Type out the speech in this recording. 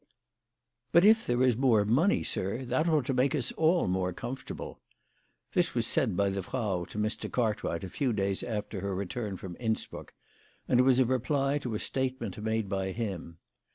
"Bui 1 if there is more money, sir, that ought to make us all more comfortable." This was said by the Frau to Mr. Cartwright a few days after her return from Innsbruck, and was a reply to a statement made by him.